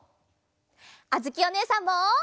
あづきおねえさんも！